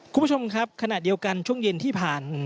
คุณผู้ชมครับขณะเดียวกันช่วงเย็นที่ผ่านมา